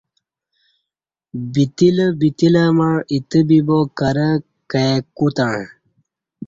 بتیلہ بتیلہ مع ایتہ بیبا کرہ کئے کوتݩع